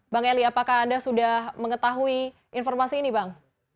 bang eli apakah anda sudah mengetahui informasi ini bang